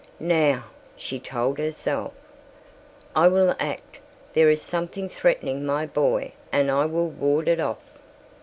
"Now," she told herself, "I will act. There is something threatening my boy and I will ward it off."